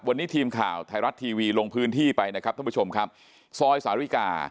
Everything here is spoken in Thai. วันนี้ทีมข่าวไทยรัฐทีวีลงพื้นที่ไปนะครับท่านผู้ชมครับซอยสาริกา